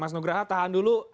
mas nugraha tahan dulu